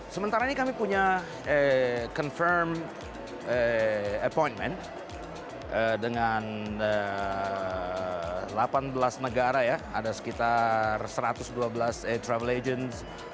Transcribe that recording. sementara ini kami punya confirm appointment dengan delapan belas negara ya ada sekitar satu ratus dua belas travel agents